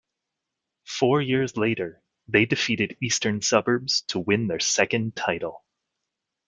Four years later they defeated Eastern Suburbs to win their second title.